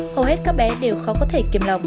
hầu hết các bé đều khó có thể kiềm lòng